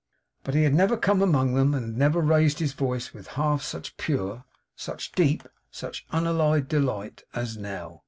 But he had never come among them, and had never raised his voice, with half such pure, such deep, such unalloyed delight, as now.